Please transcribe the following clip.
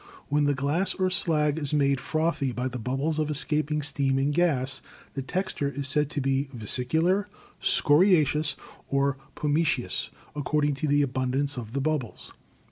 When the glass or slag is made frothy by the bubbles of escaping steam and gas the texture is said to be vesicular, scoriaceous or pumi ceous, according to the abundance of the bubbles.